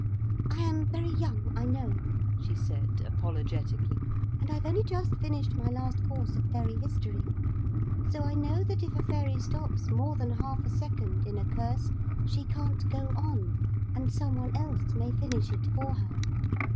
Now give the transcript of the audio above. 'I am very young, I know,' she said apologetically, 'and I've only just finished my last course of Fairy History. So I know that if a fairy stops more than half a second in a curse she can't go on, and some one else may finish it for her.